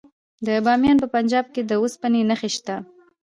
د بامیان په پنجاب کې د وسپنې نښې شته.